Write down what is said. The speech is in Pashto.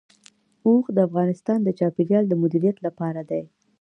اوښ د افغانستان د چاپیریال د مدیریت لپاره دی.